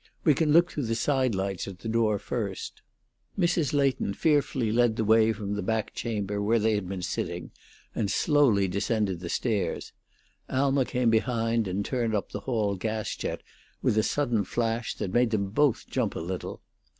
We can look through the side lights at the door first." Mrs. Leighton fearfully led the way from the back chamber where they had been sitting, and slowly descended the stairs. Alma came behind and turned up the hall gas jet with a sudden flash that made them both jump a little.